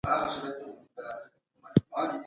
تاسي خپله لاره د عمر په اوږدو کي بدله نه کړه.